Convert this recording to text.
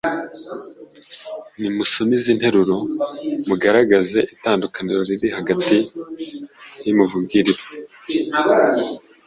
nimusome izi nteruro, mugaragaze itandukaniro riri hagati y’imivugirwe